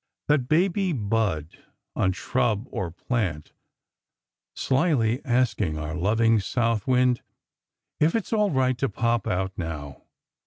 That baby bud, on shrub or plant, shyly asking our loving South Wind if it's all right to pop out, now.